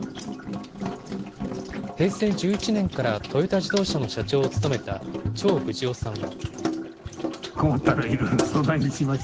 平成１１年からトヨタ自動車の社長を務めた、張富士夫さんは。